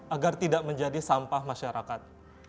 agar tidak menjadi sampah masyarakat